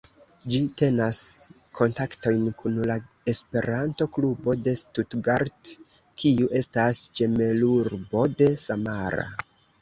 Ĝi tenas kontaktojn kun la esperanto-klubo de Stuttgart, kiu estas ĝemelurbo de Samara.